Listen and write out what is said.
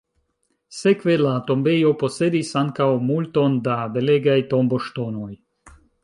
Sekve la tombejo posedis ankaŭ multon da belegaj tomboŝtonoj.